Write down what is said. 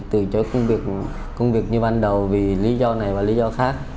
từ chối công việc như ban đầu vì lý do này và lý do khác